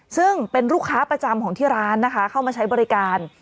ซึ่งเป็นลูกค้าประจำของที่ร้านนะคะเข้ามาใช้บริการ